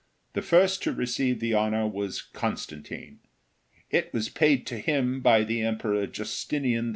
The first to receive the honor was Constantine. It was paid to him by the Emperor Justinian II.